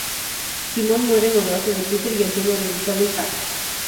Simone muere en los brazos de Peter y ante un horrorizado Isaac.